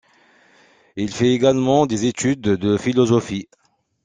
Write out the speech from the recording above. Il fait également des études de philosophie.